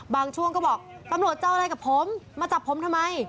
ช่วงก็บอกตำรวจเจออะไรกับผมมาจับผมทำไม